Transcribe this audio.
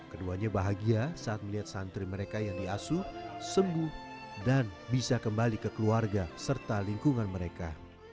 keduanya bahagia saat melihat santri mereka yang diasuh sembuh dan bisa kembali ke keluarga serta lingkungan mereka